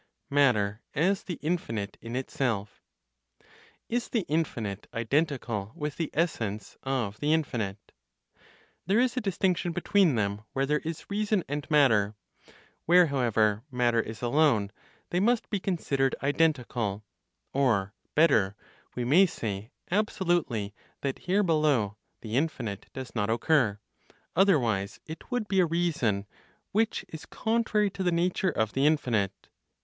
MATTER AS THE INFINITE IN ITSELF. Is the infinite identical with the essence of the infinite? There is a distinction between them where there is reason and matter; where however matter is alone, they must be considered identical; or, better, we may say absolutely that here below the infinite does not occur; otherwise it would be a reason, which is contrary to the nature of the infinite.